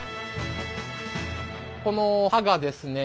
この刃がですね